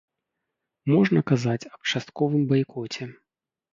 Можна казаць аб частковым байкоце.